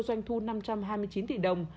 doanh thu năm trăm hai mươi chín tỷ đồng